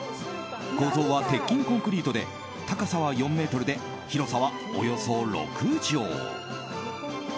構造は鉄筋コンクリートで高さは４ｍで、広さはおよそ６畳。